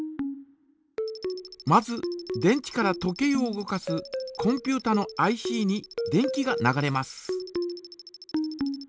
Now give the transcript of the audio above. まず電池から時計を動かすコンピュータのＩＣに電気が流れます。